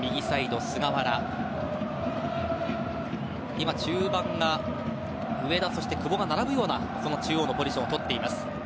今、中盤が上田と久保が並ぶような中央のポジションを取っています。